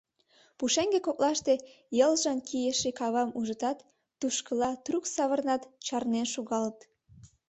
Пушеҥге коклаште йылгыж кийыше кавам ужытат, тушкыла трук савырнат, чарнен шогалыт.